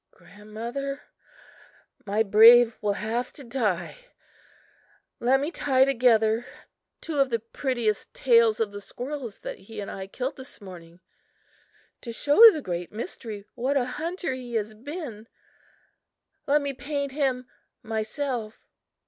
"Grandmother, my Brave will have to die! Let me tie together two of the prettiest tails of the squirrels that he and I killed this morning, to show to the Great Mystery what a hunter he has been. Let me paint him myself."